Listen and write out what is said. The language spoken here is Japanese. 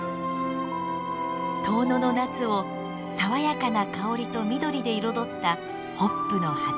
遠野の夏を爽やかな香りと緑で彩ったホップの畑。